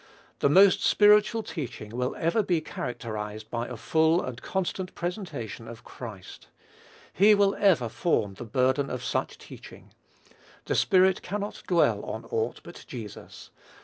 The most spiritual teaching will ever be characterized by a full and constant presentation of Christ. He will ever form the burden of such teaching. The Spirit cannot dwell on aught but Jesus.